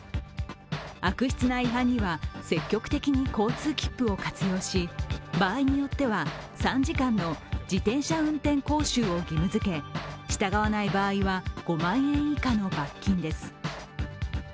悪質な違反には積極的に交通切符を活用し、場合によっては３時間の自転車運転講習を義務づけ従わない場合は５万円以下の罰金です。